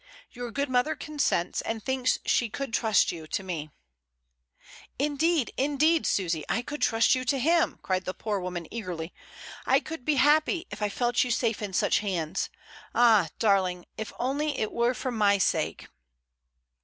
Your good mother consents, and thinks she could trust you to me." "Indeed! indeed! Susy, I could trust you to him," cried the poor woman eagerly. "I could be happy, if I felt you safe in such hands. Ah ! dar ling, if it were only for my sake!"